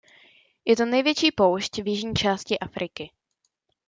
Je to největší poušť v jižní části Afriky.